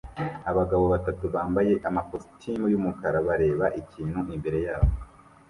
Abagabo batatu bambaye amakositimu yumukara bareba ikintu imbere yabo